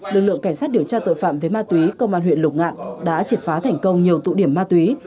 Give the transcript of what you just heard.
lực lượng cảnh sát điều tra tội phạm về ma túy công an huyện lục ngạn đã triệt phá thành công nhiều tụ điểm ma túy